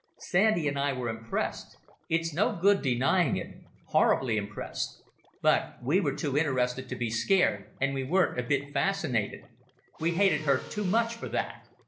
Sandy and I were impressed—it's no good denying it: horribly impressed—but we were too interested to be scared, and we weren't a bit fascinated. We hated her too much for that.